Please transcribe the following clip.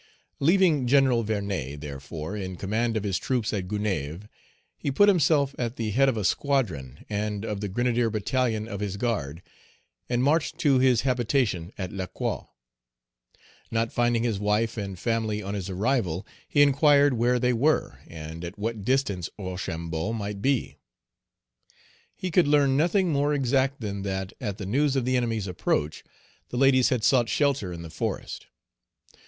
Leaving General Vernet, therefore, in command of his troops at Gonaïves, he put himself at the head of a squadron and of the grenadier battalion of his guard, and marched to his habitation at Lacroix. Not finding his wife and family on his arrival, he inquired where they were, and at what distance Rochambeau might be. He could learn nothing more exact than that, at the news of the enemy's approach, the ladies had sought shelter in the forest.